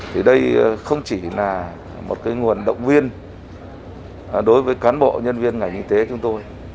thì đây không chỉ là một cái nguồn động viên đối với cán bộ nhân viên ngành y tế chúng tôi